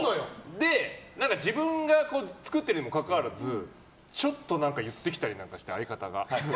で、自分が作ってるにもかかわらずちょっと言ってきたりして相方が。